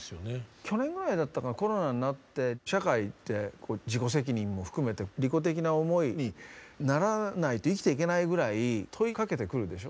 去年くらいだったかコロナになって社会って自己責任も含めて利己的な思いにならないと生きていけないぐらい問いかけてくるでしょ？